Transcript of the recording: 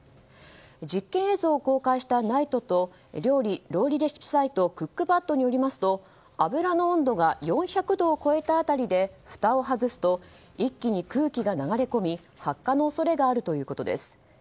実験映像を公開したＮＩＴＥと料理レシピサイトクックパッドによりますと油の温度が４００度を超えた辺りでふたを外すと一気に空気が流れ込み発火の恐れがあるということです。